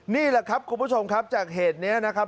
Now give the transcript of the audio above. นี่แหละครับคุณผู้ชมครับจากเหตุนี้นะครับ